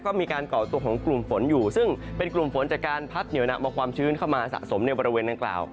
ก็มีการก่อตัวของกลุ่มฝนอยู่ซึ่งเป็นกลุ่มฝนจากการพัดเหนียวนำเอาความชื้นเข้ามาสะสมในบริเวณดังกล่าว